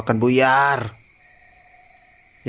akan buyar ya udah ya